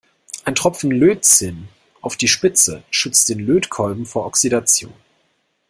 Ein Tropfen Lötzinn auf die Spitze schützt den Lötkolben vor Oxidation.